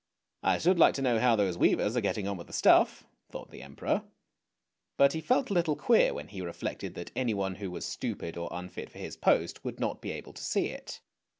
" I should like to know how those weavers are getting on with the stuff," thought the Emperor; but he felt a little queer when he reflected that anyone who was stupid or unfit for his post would not be able to see it.